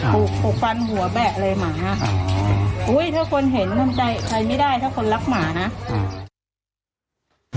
ผูกปลูกฟันหัวแบะเลยหมาค่ะอุ้ยถ้าคนเห็นทำใจใครไม่ได้ถ้าคนรักหมานะอืม